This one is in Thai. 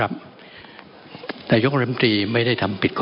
มันมีมาต่อเนื่องมีเหตุการณ์ที่ไม่เคยเกิดขึ้น